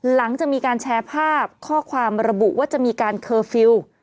หลังจากมีการแชร์ภาพข้อความระบุว่าจะมีการเคอร์ฟิลล์